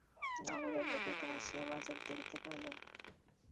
নগরের নিকটে আসিয়া বাজার দেখিতে পাইলেন।